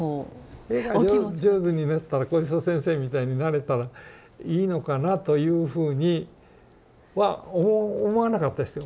「絵が上手になったら小磯先生みたいになれたらいいのかな」というふうには思わなかったですよ。